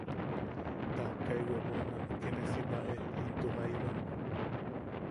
Tajkai webonam ke ne si bwaʼe into jaibam.